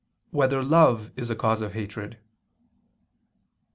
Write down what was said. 2] Whether Love Is a Cause of Hatred?